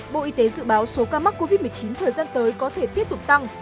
bộ y tế dự báo số ca mắc covid một mươi chín thời gian tới có thể tiếp tục tăng